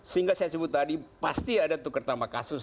sehingga saya sebut tadi pasti ada tukar tambah kasus